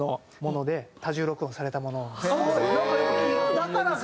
だからか！